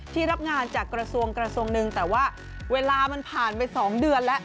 ที่รับงานจากกระทรวงนึงแต่ว่าเวลามันผ่านไปสองเดือนแล้ว